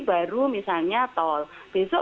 baru misalnya tol besok